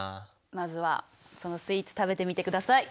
まずはそのスイーツ食べてみてください。